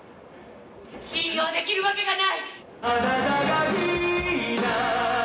信用できるわけがない！